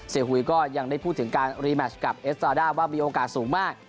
หุยก็ยังได้พูดถึงการรีแมชกับเอสตราด้าว่ามีโอกาสสูงมาก